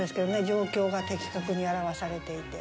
状況が的確に表されていて。